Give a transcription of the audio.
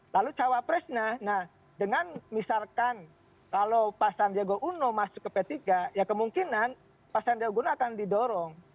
lalu cawapresnya nah dengan misalkan kalau pak sandiago uno masuk ke p tiga ya kemungkinan pak sandiaga uno akan didorong